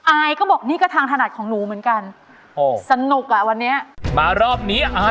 อายก็บอกนี่ก็ทางถนัดของหนูเหมือนกัน